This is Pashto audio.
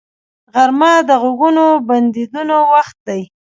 غرمه د غږونو بندیدو وخت دی